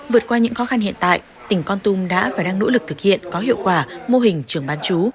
vượt qua những khó khăn hiện tại tỉnh con tum đã và đang nỗ lực thực hiện có hiệu quả mô hình trường bán chú